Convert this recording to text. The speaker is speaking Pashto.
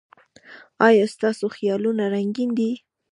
ایا ستاسو خیالونه رنګین دي؟